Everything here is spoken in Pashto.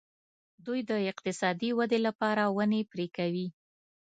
دوی د اقتصادي ګټو لپاره ونې پرې کوي.